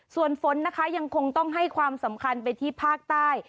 ส่วนฝนนะคะยังคงต้องให้ความสำคัญไปที่ภาคใต้